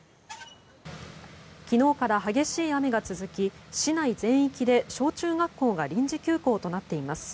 昨日から激しい雨が続き市内全域で小中学校が臨時休校となっています。